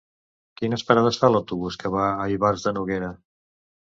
Quines parades fa l'autobús que va a Ivars de Noguera?